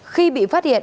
khi bị phát hiện